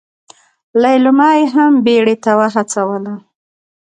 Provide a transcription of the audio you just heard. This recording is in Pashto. ليلما يې هم بيړې ته وهڅوله.